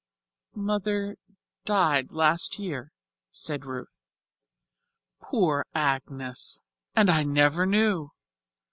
"Mother died last year," said Ruth. "Poor Agnes! And I never knew!